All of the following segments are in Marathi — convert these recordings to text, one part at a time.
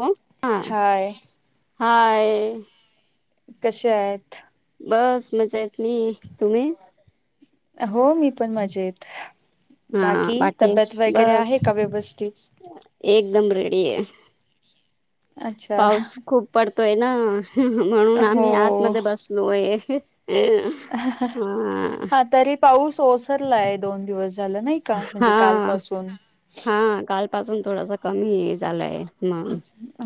हो हा हाय हाय. कसे आहेत. बस मजेत तुम्ही. हो मी पण मजेत. हा बाकी तब्येत वगैरे बस आहे का व्यवस्थित. एकदम रेडी आहे. अच्छा पाऊस खूप पडतोय ना म्हणून हो. आम्ही आतमध्ये बसतो. [unintelligible] हा तरी पाऊस ओसरलाय दोन दिवस झालं नाही. का हा म्हणजे कालपासून हा कालपासून थोडासा कमी झालाय. ह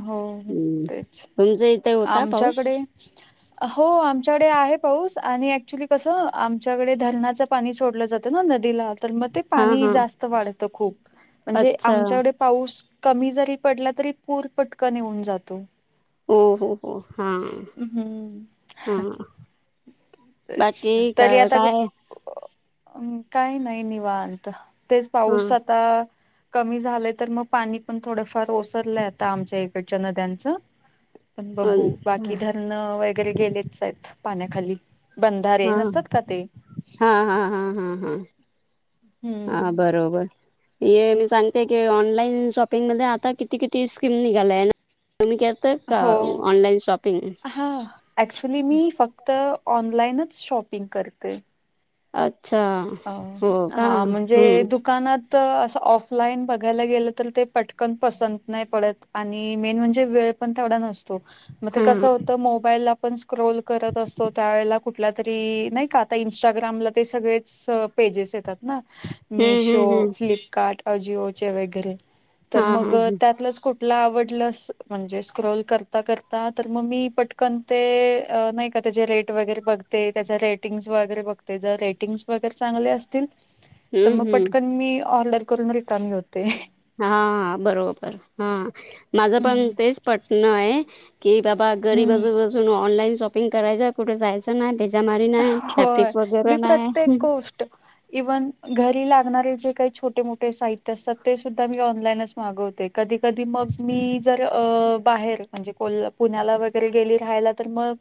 हो. हम् तेच तुमच इथे होता पाऊस. [unintelligible] हो आमच्याकडे आहे पाऊस आणि ऍक्च्युली कसं आमच्याकडे धरणाचं पाणी सोडलं जातं. ना नदीला. [inaudible] हा पाणी हा जास्त वाढत खूप म्हणजे अच्छा आमच्याक पाऊस कमी जरीपडलातरी. तरी पूर पटकन एऊन जातो. हो हो हा हम्म. हा. बाकी अच्छा का तरी आता. काय काही नाही निवांत तेच हा पाऊस आता? कमी झालंय तर मग पाणी पण थोडंफार ओसरलंय आता आमच्या इकडच्या नद्यांचं. पण बघू, अच्छा बाकी धरण वगैरे गेलेच आहेत पाण्याखाली. बंधारे हा नसतात का ते? हा हा हा हा हा हा हम्म बरोबर. हे मी सांगते की ऑनलाइन शॉपिंग मध्ये आता किती किती स्कीम निघालय ना तुम्ही त्यात? हो तर ऑनलाईन शॉपिंग. हा. ऍक्च्युली मी फक्त ऑनलाईनच शॉपिंग करते. अच्छा. अ हो का हा म्हणजे हम्म दुप. दुकानात असं ऑफलाईन बघायला गेलं तर ते पटकन पसंत नाही पडत. आणि मेन म्हणजे वेळ पण तेवढा नसतो मग ते हा कसं होतं? मोबाईलला पण स्क्रोल करत असतो त्या वेळेला कुठला तरी, नाही का? आता इन्स्टाग्रामला ते सगळे पेजेस येतात ना? हम्म मिशो, हम्म हम्म फ्लिपकार्ट, अजिओचे वगैरे. हा तर हा मग हम्म त्यातलंच कुठ ला आवडलं अस म्हणजे स्क्रोल करता करता तर मग मी पटकन ते नाही त्याचे रेट वगैरे बघते, त्याच्या रेटिंग्स वगैरे बघते, जर रेटिंग्स वगैरे चांगले असतील, तर मग हम्म पटकन मी ऑर्डर करून रिकामी होते. हा बरोबर हा, माझं पण हम्म तेच पटण आहे. कि बाबा घरी बसून बसून ऑनलाईन शॉपिंग करायच कुठे जायच नाही, ढजा मारी नाही, ट्राफिक वगैरे नाही. कष्ट. इव्हन घरी लागणारे जे काही छोटे मोठे साहित्य असतात ते सुद्धा मी ऑनलाईनच मागवते. कधी कधी मग, मी जर बाहेर म्हणजे कोल्हा पुण्याला वगैरे गेली राहायला मग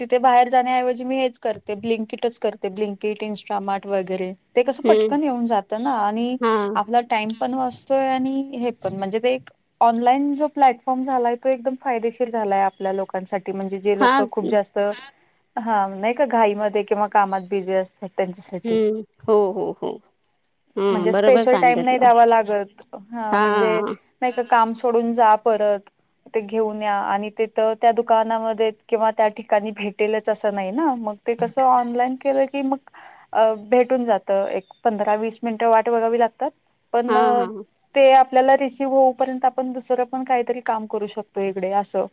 तिथे बाहेर जाण्याऐव जे म्हणजे मी हेच करते ब्लिंकिटच करते, ब्लिंकिट इंस्टामार्ट वगैरे ते कसं हम्म पटकन येऊन जातं ना? आणि हा आपला टाइम पण वाचतोय आणि हे पण म्हणजे ते एक ऑनलाईन जो प्लॅटफॉर्म झालाय तो एकदम फायदेशीर झालाय आपल्या लोकांसाठी म्हणजे? जे हा लोक खूप जास्त, हा नाही का? घाईमध्ये किंवा कामात बिझी असतात त्यांच्यासाठी. हम्म हो हो हो. हा म्हणजे बरोबर स्पेशल टाईम सांगितलं नाही द्यावा लागत. हा म्हणजे? हा नाही का? काम सोडून जा परत. घेऊन या आणि ते तिथं, त्या दुकानामध्ये किंवा त्या ठिकाणी भेटेलच तस नाही ना? मग ते कस, ऑनलाईन केलं की मग अ भेटून जात. एक पंधरा वीस मिनिट वाट बघावी लागतात हा पण ते आपल्याला रिसीव्ह होऊपर्यंत आपण दुसरं पण काहीतरी काम करू शकतो इकडे असं.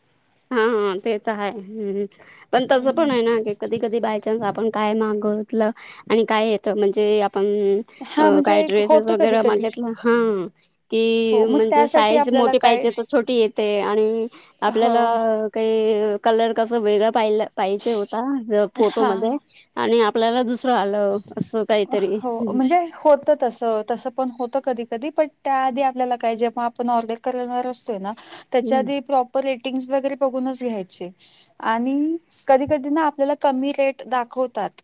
हा हा ते तर आहे. पण तसं हम्म पण आहे ना? की कधी कधी बाय चान्स आपण काय मागवतलं आणि काय येत. म्हणजे आपण हा काय म्हणजे ड्रेसेस होत कधी वगैरे कधी मागितलं हा हो कि मग म्हणजे त्यासाठी साईज आपल्याला मोठी काय पाहिजे तर छोटी येते आणि हो आपल्याला काही कलर कसा वेगळा पाहिजे होता, हा फोटोमध्ये आणि आपल्याला दुसरं आलं असं काहीतरी. ते होत तस. तसं पण होत कधी कधी, पण त्या आधी आपल्याला काय जे आपण ऑर्डर करणार असतोय ना? त्याच्या हम्म आधी प्रॉपर रेटिंग् वगैरे बघूनच घ्यायचे. आणि कधी कधी ना आपल्याला कमी रेट दाखवतात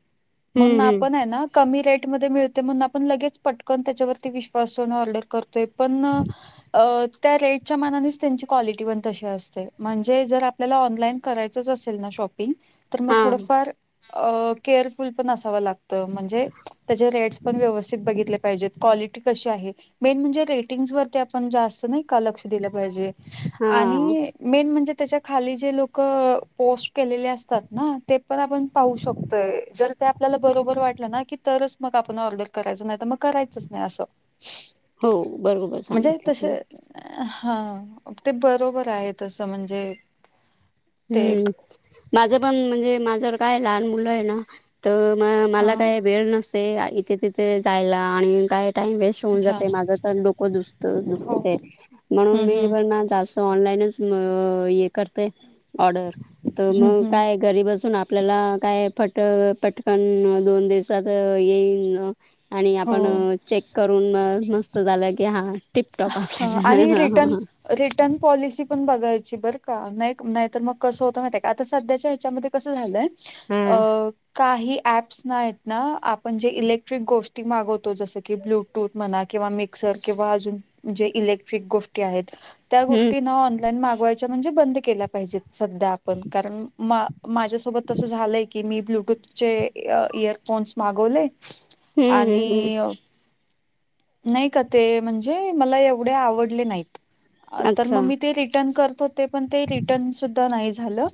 म्हणून हम्म कमी रेट मद्ये मिळतंय म्हणून आपण लगेच पटक त्याच्यावर विश्वास ठेवून ऑर्डर करतोय. पण अ. त्या रेटच्या मनानेच त्यांची क्वालिटी पण तशी असते म्हणजे जर आपल्याला ऑनलाईन करायचंच असेल ना शॉप मग हा थोडफार केअर फुल्ल पण असा लागत म्हणजे. त्याचे रेट्स पण व्यवस्थित बघितले पाहिजेत क्वालिटी कशी आहे. मेन म्हणजे रेटिंगस वरती आपण जास्त नाही का लक्ष दिलं पाहिजे हा आणि मेन म्हणजे त्याच्या खाली जे लोक पोस्ट केलेले असतात ना ते पण आपण पाहू शकतय जर ते आपल्याला बरोबर बरोबर वाटल ना की तरच मग आपण ऑर्डर करायच नाही तर मग करायचंच नाही अस. हो बरोबर सांगितलं आप हा ते बरोबर आहे तसं म्हणजे ते एक हम्म माझं पण म्हणजे माझ्या काय लहान मुलं आहे ना. तर म हा मला काय वेळ नसतय इथे तिथे जायला आणि काय टाईम वेस्ट होउन अच्छा जात माझ तर डोक दुसत हो दुकते म्हणून हम्म मी हम्म ना जास तर ऑनलाईनच म य करतय ऑर्डर तर हम्म मग हम्म काय? घरी बसून आपल्याला काय फट-पटकन दोन दिवसात अ येईन आणि आपण हो अ चेक करून म-मस्त झालं की हां टिपटॉप हा आपल्याला ह आणि हां हां रिटर्न हां. [unintelligible] रिटर्न पॉलिसी पण बघायची बरं का नाही ना नाहीतर मग कसं होतं माहिती आहे का आता सध्याच्या ह्याच्यामध्ये कस झालंय अ ह काही ॲप्स नाय ना आपण जे इलेक्ट्रिक गोष्टी मागवतो जसं की ब्लूटूथ म्हणा किंवा मिक्सर किंवा अजून जे इलेक्ट्रिक गोष्टी आहेत त्या हम्म गोष्टीं ऑनलाईन मागवाय च म्हणजे बंद केल्या पाहिजेत सध्या आपण कारण म माझ्यासोबत तस झालंय की मी ब्लूूटूथ जे इय-इयरफोन्स मागवले हम्म आणि हम्म हम्म अ नाही का ते म्हणजे मला एवढे आवडले नाहीत. अ तर अच्छा मग मी ते रिटर्न करत होते पण ते रिटर्न सुद्धा नाही झालं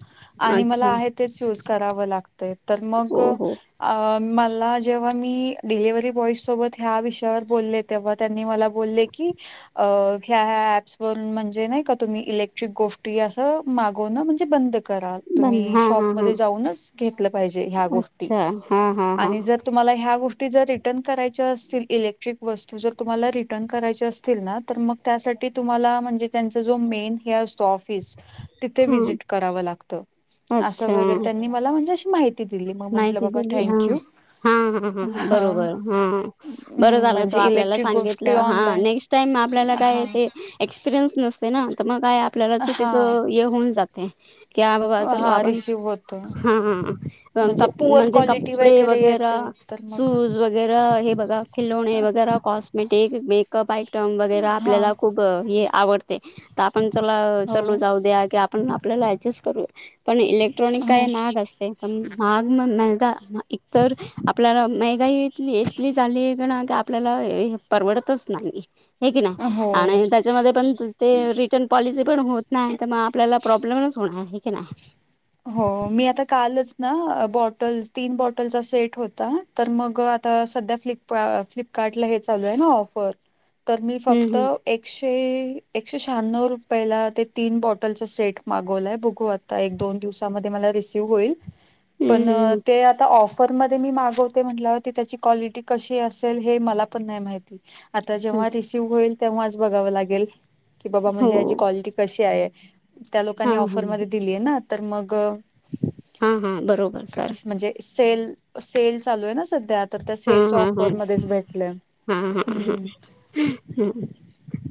आणि मला अच्छा आहेत तेच यूज करावं लागतंय तर मग ओ हो अ मला जेव्हा मी डिलिव्हरी बॉइज सोबत ह्या विषयावर बोलले तेव्हा त्यांनी मला बोलले की अ ह्या ह्या ऍप्स वरून म्हणजे नाही का तुम्ही इलेक्ट्रिक गोष्टी असं मागवण म्हणजे बंद करा बन तुम्ही हा शॉप हा हा मध्ये जाऊनच घेतल्या पाहिजे ह्या गोष्टी अच्छा हा हा हा आणि जर तुम्हाला ह्या गोष्टी जर रिटर्न करायच्या असतील इलेक्ट्रिक वस्तू जर तुम्हाला रिटर्न करायच्या असतील ना तर मग त्यासाठी तुम्हाला म्हणजे त्यांचा जो मेन हे अस तो ऑफिस तिथे हा व्हिजिट करावा लागत असं अच्छा वगैरे त्यांनी मला म्हणजे अशी माहिती दिली मग नाही म्हंटलं बाबा तिथे लिहा थँक्यू. हां हां हां हा बरोबर हां बरं झालं. तो म्हणजे आपल्याला इलेक्ट्रिक गोष्टी सांगितलं हा ऑनलाईन नेक्स्ट टाईम आपल्याला हा काय ते एक्सपिरियन्स नसते ना तर मग काय आपल्याला चुकीच हा ये होन जाते. क्या बाबा चलो हा आपण रिसिव होत हाहां कप पुअर म्हणजे कप [inaudible] क्वालिटी [unintelligible] कपडे वगैरे वगैरा येते तर सूट मग शूज वगैरा हे बघा खिलोणे वगैरा कॉस्मेटिक मेकअप आयटम वगैरा हा आपल्याला खूप हे आवडते तर आपण चला हो चलू जाऊ द्या की आप पण आपल्याला ऍडजस्ट करूया पण इलेक्ट्रॉनिक काय हो महाग असते पण महाग मग नाही गा म एकतर आपल्याला मेहगाई इतली इतली झाली आहेना पण की आपल्याला ए हे परवडतच नाही हे की नाही हो आणि त्याच्यामध्ये पण ते री तेन पॉलिसी पण होत नाही आहे तर मग आपल्याला प्रॉब्लेमच होणार आहे की नाही. हो मी आता कालच ना बॉटल्स तीन बॉटलचा सेट होता. तर मग आता सध्या फ्लिप-फ्लिपकार्टला हे चालू आहे ना ऑफर. तर मी हम्म फक्त हम्म एक एकशे एकशे शहाण्णव रुपयला ते तीन बॉटलचा सेट मागवलाय बघू आत ता एक दोन दिवसामध्ये मला रिसीव्ह होईल पण हम्म अ हम्म ते आता ऑफ ऑफरमध्ये मी मागवते म्हटल्यावर ती त्याची क्वालिटी कशी असेल हे मला पण नाही माहित. आता जेव्हा रिसीव्ह होईल तेव्हाच बघाव लागेल की, बाबा हो म्हणजे याची कॉलिटी कशी आहे त्या हा लोकांनी हा ऑफरमध्ये दिलीय ना तर मग अ हम्म हम्म बरोबर सार. सेल सेल चालू आहे ना सध्या तर त्या सेलच्या ऑफरमध्येच भेटलंय. हा-हा-हा हम्म हम.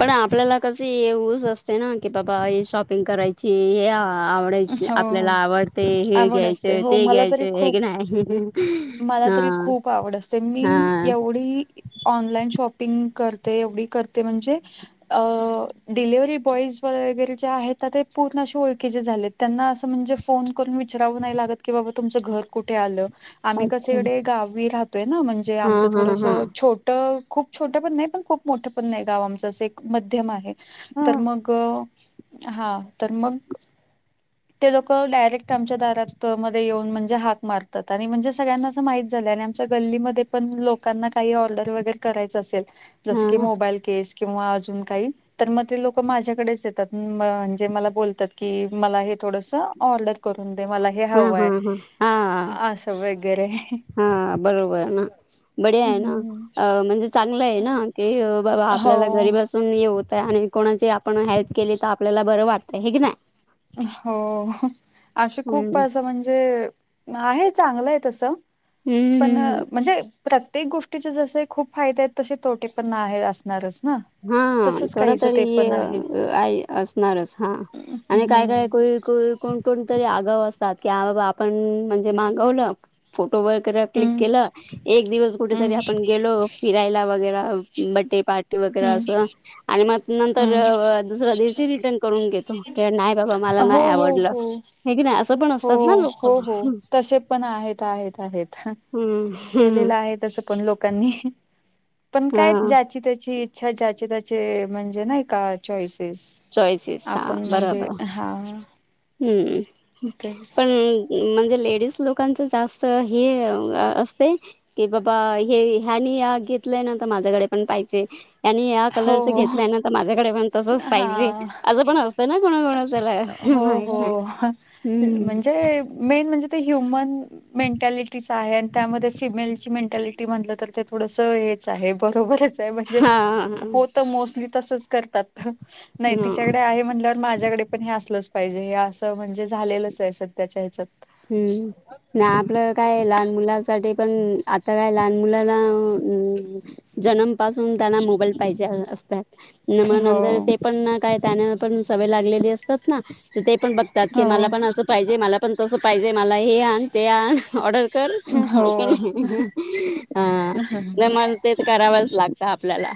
पण आपल्याला कशी ये ऊस असते ना की बाबा हे शॉपिंग करायची हे आ आवडायचं हो आपल्याला आवडतय हे आवड असते घ्यायचंय हो ते मला तरी घ्यायचंय खूप आहे की नाही. मला हा तरी खूप आवड असते मी हा एवढी ऑनलाइन शॉपिंग करते एवढी करते म्हणजे अ डिलिव्हरी बॉईज वगैरे जे आहेता ते पूर्ण अशे ओळखीचे झालेत. त्यांना असं म्हणजे फोन करून विचारावं नाही लागत की बाबा तुमचं घर कुठे आलं? आम्ही कसे अच्छा इकडे गावी राहतोय ना म्हणजे हा आमचं हा हा थोडंसं छोट ट खूप छोटं पण नाही पण खूप मोठं पण नाही गाव आमचं असं एक मध्यम आहे. हा तर मग अ हा तर मग ते लोक डायरेक्ट आमच्या दारात मध्ये येऊन म्हणजे हाक मारतात आणि म्हणजे सगळ्यांना असं माहित झालंय आणि आम गल्ली मध्ये पण लोकांना काय ऑर्डर वैगेरे करायच असेल हा जसं की हा मोबाईल [unintelligible] केस किंवा अजून काही तर मग ते लोक माझ्याकडेच येतात म्ह म्हणजे मला बोलतात की मला हे थोडस ऑर्डर करून दे मला हे हा हवंय हा हा असं वगैरे हा बरोबर ना बढीया आहे ना अ म्हणजे चांगलं आहे ना की अ बाबा हो आपल्याला घरीबसून हे होतय आणि कोणाची आपण हेल्प केली तर आपल्याला बरं वाटतय हे की नाय हो अशे खूप हम्म असं म्हणजे आहे चांगलं आहे तसं हम्म पण हम्म म्हणजे प्रत्येक गोष्टीचे जसे खूप फायदे आहेत तसे तोटे पण आहे असणारच ना हा तसच थोडा काहीच तरी ते पण आहे. अं आई असणारच. हा हम्म आणि काय काय कोई कु कोण कोणतरी आगाव असतात की बाबा आपण म्हणजे मागवलं. फोटो वगैरे क्लिक हम्म केला एक दिवस कुठेतरी हम्म आपण गेलो. फिरायला वगैर, बड्डे पार्टी वगैरे हम्म असं आणि मग नंतर हम्म दुसरा दिवशी रिटर्न करून घेतो कि नाही बाबा मला हो नाही हो आवडलं. हो हे की नाही असं पण हो असतात ना लोक हो हो तसे पण आहेत आहेत आहेत हं. हम्म. हम्म केलेलं आहे तसं पण लोकांनी पण काय हा ज्याची त्याची इच्छा ज्याचे त्याचे म्हणजे नाही का चॉईसेस चॉईसेस हा आपण म्हणजे बरोबर हा हम्म, तेच पण! म्हणजे लेडीज लोकांच जास्त हे असतय. की बाबा हे ह्यानी घेतलंय ना तर माझ्याकडे पण पाहिजे त्यांनी नीळ हो कलरच हो घेतल्यानंतर माझ्याकडे पण तस च पाहिजे हा आंस पण असतं ना कोणा कोणा चला हो माहित हो म्हणजे मेन म्हणजे ते ह्युमन मेंटॅलिटीच आहे आणि त्यामध्ये फिमेलची मेंटॅलिटी म्हटल तर ते थोडस हेच आहे बरोबरच आहे हा हा हो तर मोस्टली तसच करतात नाही ह. तिच्याकडे आहे म्हणल्यावर माझ्याकडे पण हे असलच पाहिजे हे अस म्हणजे झालेलच आहे सध्याच्या हेच्यात हम्म नाही आपल काय लहान मुलांसाठी पण आता काय लहान मुलाना जन्म पासून त्यांना मोबाईल पाहिजे असतात नम मग नंतर हो ते पण ना काय त्याना पण सवय लागलेली असतात ना ते पण बघतात की हो मला पण असं पाहिजे मला पण तसं पाहिजे मला हे आण ते आण ऑर्डर कर हा हो नम मग तेच करावच लागत आपल्याला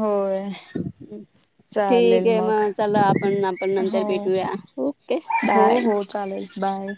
होय [inaudible] ठीक हे मग चला आपण आपण नंतर हो भेटूया ओके हो बाय हो चालेल बाय